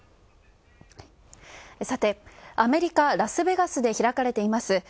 アメリカ・ラスベガスで開かれています